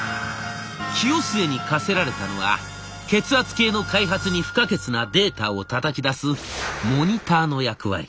清末に課せられたのは血圧計の開発に不可欠なデータをたたき出すモニターの役割。